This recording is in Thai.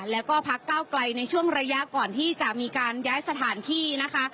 แล้วก็พักเก้าไกลในช่วงระยะก่อนที่จะมีการย้ายสถานที่นะคะ